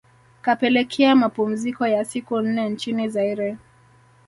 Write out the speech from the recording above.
kapelekea mapumziko ya siku nne nchini Zaire